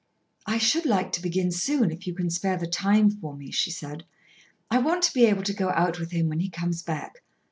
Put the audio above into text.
"I should like to begin soon, if you can spare the time for me," she said. "I want to be able to go out with him when he comes back.